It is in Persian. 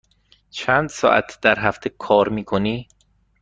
چند ساعت در هفته کار می کنی؟